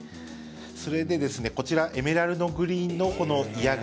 それで、こちらエメラルドグリーンの祖谷川。